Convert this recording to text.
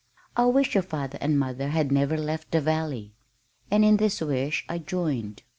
I wish your father and mother had never left the valley." And in this wish I joined.